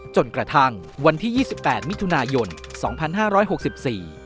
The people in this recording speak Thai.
จนกระทั่งวันที่ยี่สิบแปดมิถุนายนสองพันห้าร้อยหกสิบสี่